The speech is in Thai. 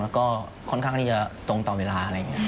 แล้วก็ค่อนข้างจะตรงต่อเวลา